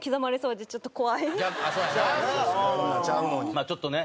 まあちょっとね